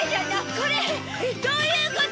これどういうこと？